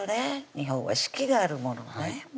日本は四季があるものね